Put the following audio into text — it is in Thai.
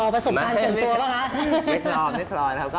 ประสบการณ์เจ็บตัวเปล่าครับ